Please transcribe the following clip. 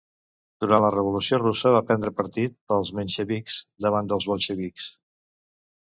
Durant la revolució russa va prendre partit pels menxevics davant dels bolxevics.